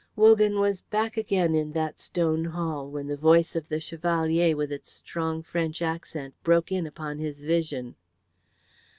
Wogan was back again in that stone hall when the voice of the Chevalier with its strong French accent broke in upon his vision.